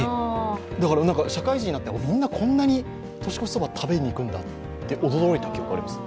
だから社会人になって、みんなこんなに年越しそば、食べに行くんだって驚いたんです。